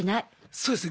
そうですね。